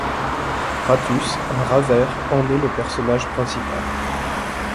Ratus, un rat vert, en est le personnage principal.